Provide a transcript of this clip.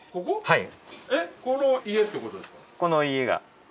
はい。